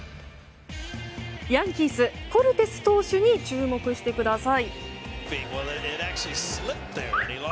ヤンキース、コルテス投手に注目してください。